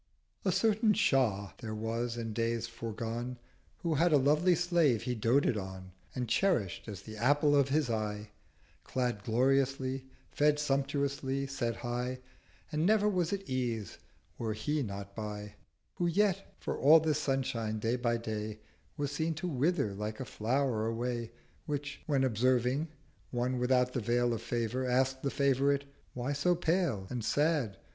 A certain Shah there was in Days foregone Who had a lovely Slave he doted on, And cherish'd as the Apple of his Eye, Clad gloriously, fed sumptuously, set high, 420 And never was at Ease were He not by, Who yet, for all this Sunshine, Day by Day Was seen to wither like a Flower away. Which, when observing, one without the Veil Of Favour ask'd the Favourite—'Why so pale And sad?'